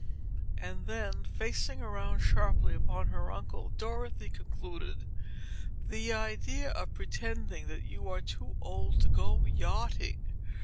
And then, facing around sharply upon her uncle, Dorothy concluded: "The idea of pretending that you are too old to go yachting!